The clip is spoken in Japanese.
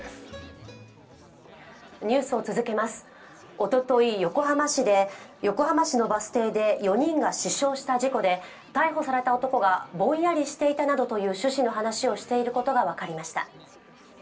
おととい、横浜市で、横浜市のバス停で４人が死傷した事故で逮捕された男がぼんやりしていたなどという趣旨の話をしていることが分かりました。